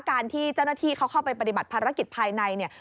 การที่เจ้าหน้าที่เขาเข้าไปปฏิบัติภารกิจภายในเนี่ย